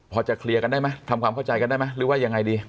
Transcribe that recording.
พอจะเคลียร์กันได้ไหมทำความเข้าใจกันได้ไหมหรือว่ายังไงดี